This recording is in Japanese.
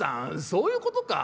そういうことか。